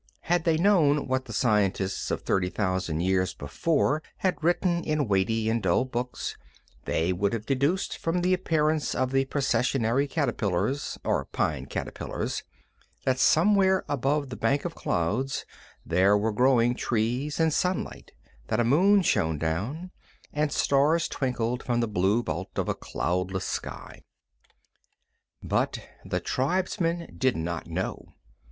Had they known what the scientists of thirty thousand years before had written in weighty and dull books, they would have deduced from the appearance of the processionary caterpillars or pine caterpillars that somewhere above the banks of clouds there were growing trees and sunlight, that a moon shone down, and stars twinkled from the blue vault of a cloudless sky. But the tribesmen did not know.